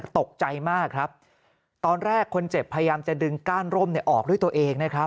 ตกใจมากครับตอนแรกคนเจ็บพยายามจะดึงก้านร่มออกด้วยตัวเองนะครับ